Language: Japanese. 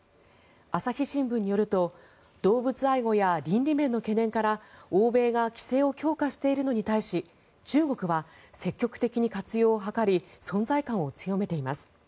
朝日新聞によると動物愛護や倫理面の懸念から欧米が規制を強化しているのに対し中国は積極的に活用を図り存在感を強めています。